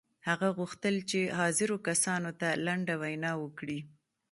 هغه غوښتل چې حاضرو کسانو ته لنډه وینا وکړي